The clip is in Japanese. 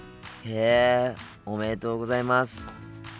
へえおめでとうございます！